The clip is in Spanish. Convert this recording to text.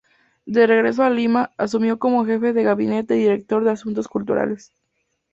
De regreso a Lima asumió como Jefe de Gabinete y Director de Asuntos Culturales.